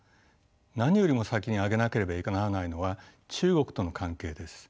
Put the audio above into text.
何よりも先に挙げなければならないのは中国との関係です。